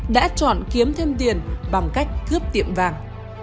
đã chọn kiếm thêm tiền bằng cách cướp tiệm vàng